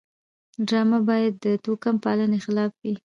ډرامه باید د توکم پالنې خلاف وي